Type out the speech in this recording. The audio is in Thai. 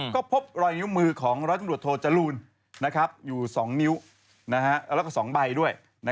ก็พบรอยนิ้วมือของร้อยตำรวจโทจรูลอยู่๒นิ้วแล้วก็๒ใบด้วย